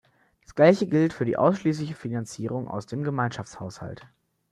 Das gleiche gilt für die ausschließliche Finanzierung aus dem Gemeinschaftshaushalt.